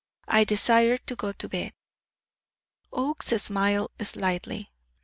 I desired to go to bed. Oakes smiled slightly.